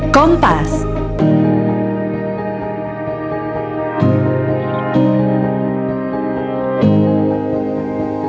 nominasi kategori a